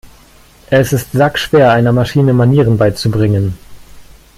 Es ist sackschwer, einer Maschine Manieren beizubringen.